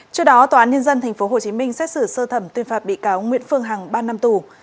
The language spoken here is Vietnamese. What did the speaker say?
trước đó tòa án nhân dân tp hcm xét xử sơ thẩm tuyên phạt bị cáo nguyễn phương hằng ba năm tù